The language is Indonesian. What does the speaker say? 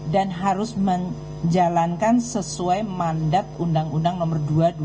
dan harus menjalankan sesuai mandat undang undang nomor dua dua ribu sembilan